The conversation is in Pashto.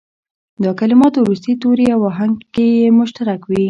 دا کلمات وروستي توري او آهنګ یې مشترک وي.